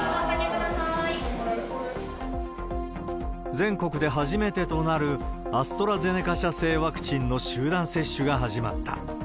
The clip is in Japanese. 全国で初めてとなるアストラゼネカ社製ワクチンの集団接種が始まった。